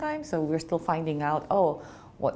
jadi kita masih mencari tahu apa yang akan terjadi